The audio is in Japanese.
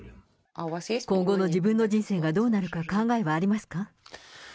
今後の自分の人生がどうなるか考えはありますか？